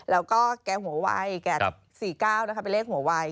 แล้วก็แกหัววาย๔๙เป็นเลขหัววาย